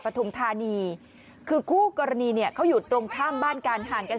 ปฐุมธานีคือคู่กรณีเนี่ยเขาอยู่ตรงข้ามบ้านกันห่างกัน